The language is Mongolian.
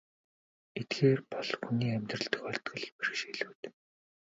Эдгээр бол хүний амьдралд тохиолддог л бэрхшээлүүд.